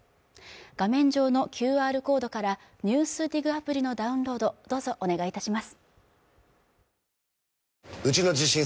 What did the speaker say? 画面上のＱＲコードから「ＮＥＷＳＤＩＧ」アプリのダウンロードどうぞお願いいたします